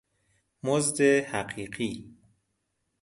مزد حقیقی